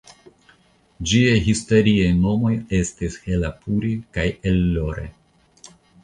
Ĝiaj historiaj nomoj estis "Helapuri" kaj "Ellore".